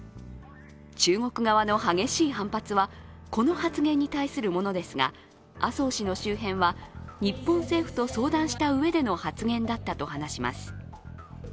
中国側の激しい反発は、この発言に対するものですが、麻生氏の周辺は日本政府と相談したうえでの発言だったと話します。